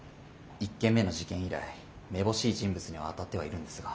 １件目の事件以来めぼしい人物には当たってはいるんですが。